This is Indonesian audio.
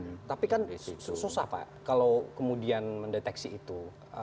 tapi kan susah pak kalau kemudian mendeteksi itu